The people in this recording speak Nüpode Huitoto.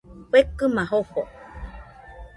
Fekɨma jofo.